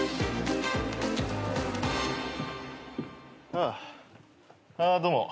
ああどうも。